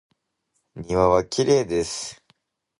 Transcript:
庭はきれいです。